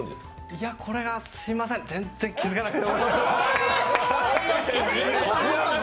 いや、これがすいません、全然気付かなくて。